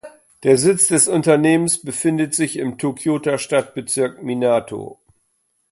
Der Sitz des Unternehmens befindet sich im Tokioter Stadtbezirk Minato.